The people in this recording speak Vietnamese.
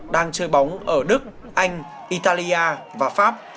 đang chơi bóng ở đức anh italia và pháp